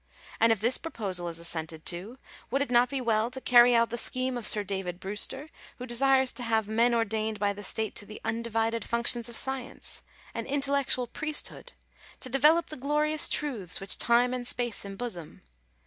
and if this proposal is assented to, would it not be well to carry out the scheme of Sir David Brewster, who desires to have " men or dained by the State to the undivided functions of science "—" an intellectual priesthood," " to develop the glorious truths which time and space embosom